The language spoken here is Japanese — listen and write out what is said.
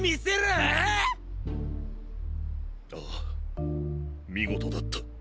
ああ見事だった。